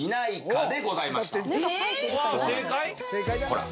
ほら。